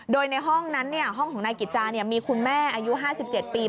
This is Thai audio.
โดยในห้องนั้นห้องของนายกิจจามีคุณแม่อายุ๕๗ปี